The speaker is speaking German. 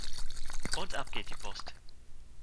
Und ab geht die Post!